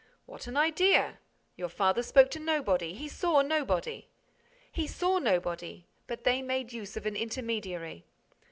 "What an idea! Your father spoke to nobody. He saw nobody." "He saw nobody, but they made use of an intermediary."